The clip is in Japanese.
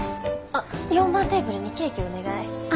あっ４番テーブルにケーキお願い。